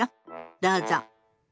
どうぞ。